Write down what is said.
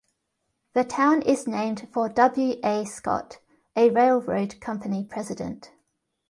The town is named for W. A. Scott, a railroad company president.